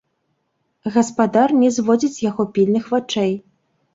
Гаспадар не зводзіць з яго пільных вачэй.